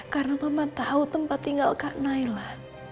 karena mama tahu tempat tinggal kak naila